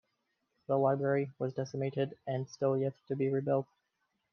The library was decimated and still yet to be rebuilt.